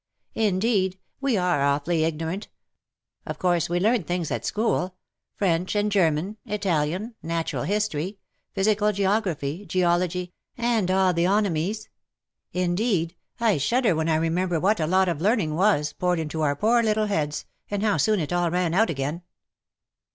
" Indeed, we are awfully ignorant. Of course we learnt things at school — French and German — Italian — natural history — physical geo graphy — geology — and all the onomies. Indeed, " WHO KNOWS NOT CIRCE ?" 243 I shudder wlien I remember what a lot of learning was*, poured into our poor little heads, and how soon it all ran out again."